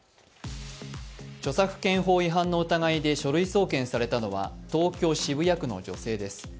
著作権法違反の疑いで書類送検されたのは東京・渋谷区の女性です。